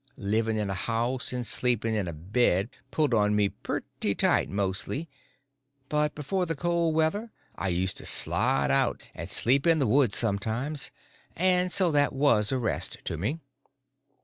Living in a house and sleeping in a bed pulled on me pretty tight mostly, but before the cold weather I used to slide out and sleep in the woods sometimes, and so that was a rest to me.